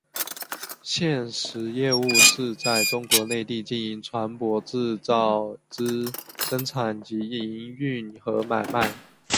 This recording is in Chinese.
现时业务是在中国内地经营船舶制造之生产及营运和买卖。